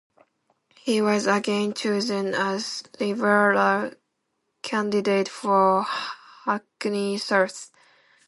He was again chosen as Liberal candidate for Hackney South.